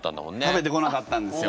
食べてこなかったんですよ。